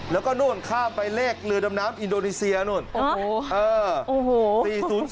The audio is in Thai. แล้วก็นู่นข้ามไปเลขเรือดำน้ำอินโดนีเซียนู่นโอ้โห